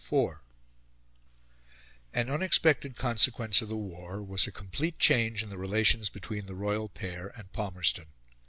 IV An unexpected consequence of the war was a complete change in the relations between the royal pair and Palmerston.